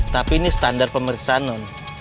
tapi ini standar pemeriksaan